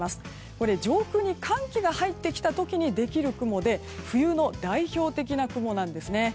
これ、上空に寒気が入ってきた時にできる雲で冬の代表的な雲なんですね。